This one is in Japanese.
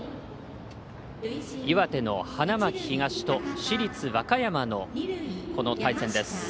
岩手の花巻東と市立和歌山のこの対戦です。